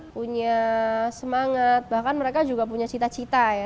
punya semangat bahkan mereka juga punya cita cita ya